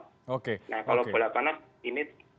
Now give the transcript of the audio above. nah kalau bola panas ini